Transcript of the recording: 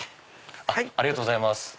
ありがとうございます。